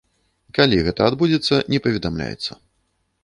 Калі гэта адбудзецца, не паведамляецца.